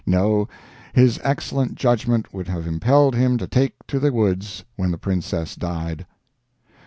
No; his excellent judgment would have impelled him to take to the woods when the Princess died.